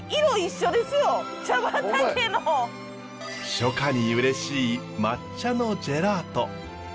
初夏にうれしい抹茶のジェラート。